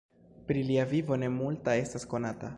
Pri lia vivo ne multa estas konata.